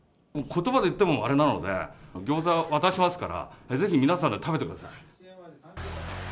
もうことばで言ってもあれなので、ギョーザ渡しますから、ぜひ皆さんで食べてください。